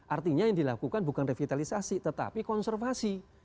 artinya yang dilakukan bukan revitalisasi tetapi konservasi